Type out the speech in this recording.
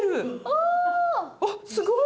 ああすごい！